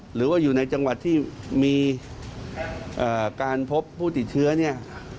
หรือว่าอยู่ในจังหวัดที่มีการพบผู้ติดเชื้อเนี่ย